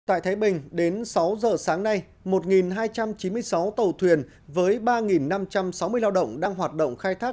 tại thái bình đến sáu giờ sáng nay một hai trăm chín mươi sáu tàu thuyền với ba năm trăm sáu mươi lao động đang hoạt động khai thác